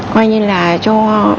coi như là cho